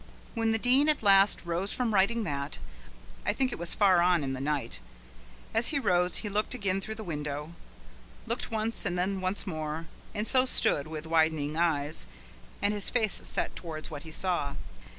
When the Dean at last rose from writing that, I think it was far on in the night. As he rose he looked again through the window, looked once and then once more, and so stood with widening eyes, and his face set towards what he saw.